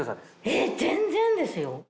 え全然ですよ。